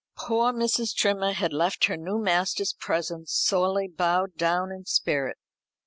Poor Mrs. Trimmer had left her new master's presence sorely bowed down in spirit.